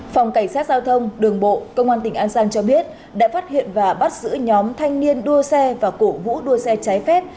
phòng cảnh sát giao thông đường bộ công an tỉnh an giang cho biết đã phát hiện và bắt giữ nhóm thanh niên đua xe và cổ vũ đua xe trái phép